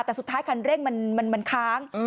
แต่สุดท้ายคันเร่งมันค้าง